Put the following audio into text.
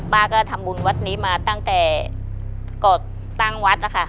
ป้าก็ทำบุญวัดนี้มาตั้งแต่ก่อตั้งวัดนะคะ